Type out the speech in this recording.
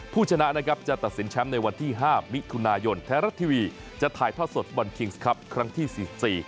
ผู้ชนะจะตัดสินแชมพ์ในวันที่๕มิถุนายนธ้ายรัฐทีวีจะถ่ายพวกภาพสดบอลคิงส์คลับครั้งที่๔๔ให้ชมตลอดทั้งสี่